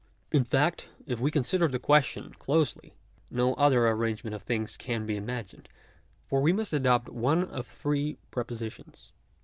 In fact, if we consider the question closely, no other ar rangement of things can be imagined. For we must adopt one of three propositions.